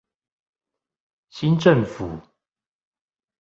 新政府